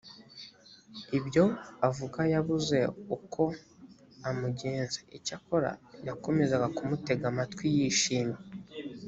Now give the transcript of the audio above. ibyo avuga yabuze uko amugenza icyakora yakomezaga kumutega amatwi yishimye